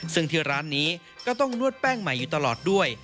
ซึ่งที่ร้านนี้ก็ต้องนวดแป้งใหม่อยู่ตลอดด้วย